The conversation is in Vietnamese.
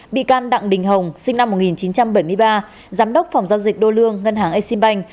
bị can đặng đình hồng sinh năm một nghìn chín trăm bảy mươi ba giám đốc phòng giao dịch đô lương ngân hàng exim bank